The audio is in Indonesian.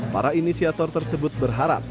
para inisiator tersebut berharap